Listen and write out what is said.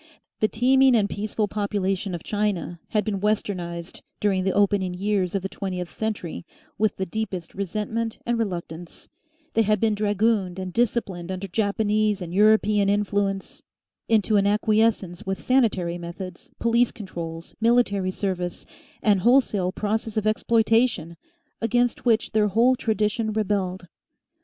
The teeming and peaceful population of China had been "westernised" during the opening years of the twentieth century with the deepest resentment and reluctance; they had been dragooned and disciplined under Japanese and European influence into an acquiescence with sanitary methods, police controls, military service, and wholesale process of exploitation against which their whole tradition rebelled.